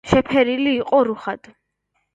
შეფერილი იყო რუხად.